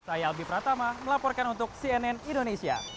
saya albi pratama melaporkan untuk cnn indonesia